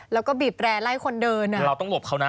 แล้วก็บีบแรนไล่คนเดินอ่ะ